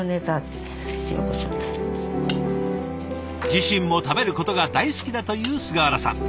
自身も食べることが大好きだという菅原さん。